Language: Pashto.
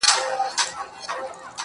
چي محبت يې زړه كي ځاى پـيـدا كـړو.